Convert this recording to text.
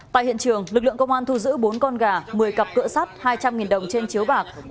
tại hiện trường lực lượng công an thu giữ bốn con gà một mươi cặp cỡ sắt hai trăm linh đồng trên chiếu bạc